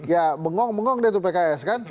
ya bengong bengong deh tuh pks kan